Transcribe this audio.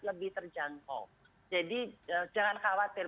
lebih terjangkau jadi jangan khawatir